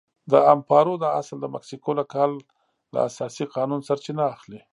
د امپارو دا اصل د مکسیکو له کال له اساسي قانون سرچینه اخلي.